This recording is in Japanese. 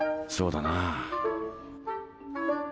そうだな。